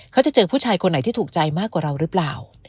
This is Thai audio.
เขาจะเจอผู้ชายคนไหนที่ถูกใจมากกว่าเราหรือเปล่า